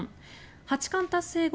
八冠達成後